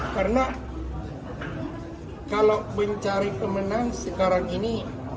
karena kalau mencari kemenang sekarang ini